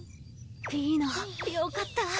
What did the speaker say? ピーノよかった。